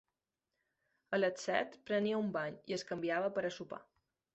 A les set prenia un bany i es canviava per a sopar.